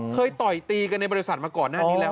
ต่อยตีกันในบริษัทมาก่อนหน้านี้แล้ว